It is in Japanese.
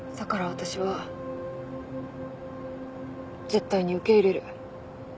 私は絶対に受け入れる。